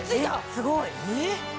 すごい。